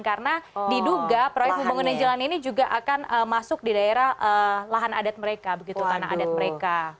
karena diduga proyek pembangunan jalan ini juga akan masuk di daerah tanah adat mereka